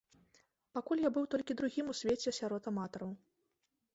Пакуль я быў толькі другім у свеце сярод аматараў.